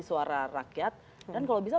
suara rakyat dan kalau bisa